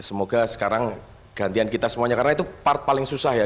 semoga sekarang gantian kita semuanya karena itu part paling susah ya